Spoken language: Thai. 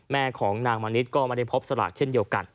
แม่ของนางมณิษฐ์ก็ไม่ได้พบสลากเช่นเดียวกัน